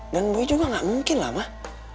dan boy juga gak mungkin lah